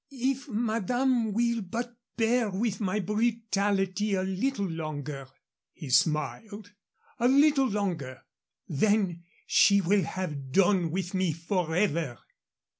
"If madame will but bear with my brutality a little longer" he smiled "a little longer then she will have done with me forever."